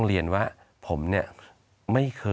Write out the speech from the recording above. สวัสดีครับทุกคน